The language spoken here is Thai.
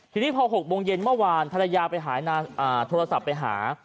ทีนี้พอ๖โมงเย็นเมื่อวานภรรยาไปหาโทรศัพท์ไปหา